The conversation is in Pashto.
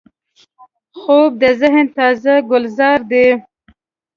خوب د ذهن تازه ګلزار دی